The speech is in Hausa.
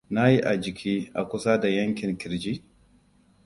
Na yi a jiki a kusa da yankin kirji?